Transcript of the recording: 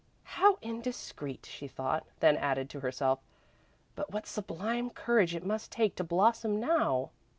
"How indiscreet," she thought, then added, to herself, "but what sublime courage it must take to blossom now!"